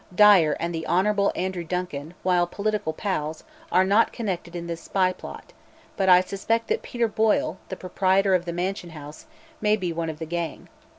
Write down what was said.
Dyer and the Hon. Andrew Duncan, while political pals, are not connected in this spy plot, but I suspect that Peter Boyle, the proprietor of the Mansion House may be one of the gang.